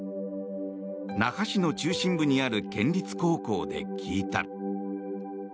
那覇市の中心部にある県立高校で聞いた。